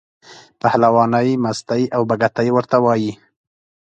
پهلوانۍ، مستۍ او بګتۍ ورته وایي.